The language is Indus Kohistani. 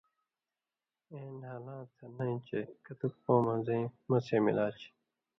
اېں نھالاں تھہ نَیں یی چے کتُک قومہ زَیں مڅھے مِلا چھی؟